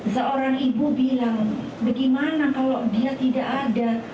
seorang ibu bilang bagaimana kalau dia tidak ada